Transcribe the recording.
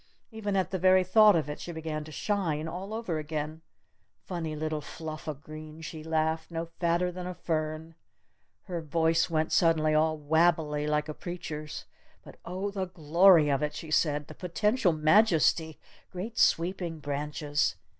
Even at the very thought of it she began to shine all over again! "Funny little fluff o' green," she laughed, "no fatter than a fern!" Her voice went suddenly all wabbly like a preacher's. "But, oh, the glory of it!" she said. "The potential majesty! Great sweeping branches